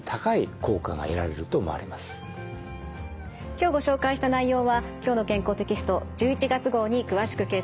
今日ご紹介した内容は「きょうの健康」テキスト１１月号に詳しく掲載されています。